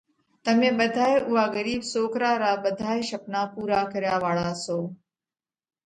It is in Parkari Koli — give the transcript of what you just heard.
تمي ٻڌائي اُوئا ڳرِيٻ سوڪرا را ٻڌائي شپنا پُورا ڪريا واۯا سو۔